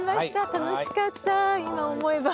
楽しかった今思えばみたいな。